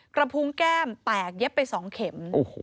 กระพุงแก้มแตกเย็บไป๒เข็ม